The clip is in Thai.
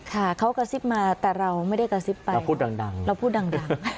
ค่ะเขากระซิบมาแต่เราไม่ได้กระซิบไปเราพูดดัง